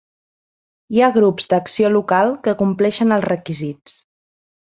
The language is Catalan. Hi ha grups d'acció local que compleixen els requisits.